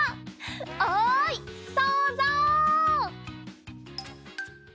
おいそうぞう！